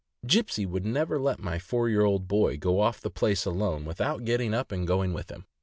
Gipsey would never let my four year old boy go off the place alone without getting up and going with him.